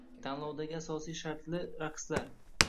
Tanlovdagi asosiy shartli raqslar: